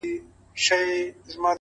زموږ پر زخمونو یې همېش زهرپاشي کړې ده”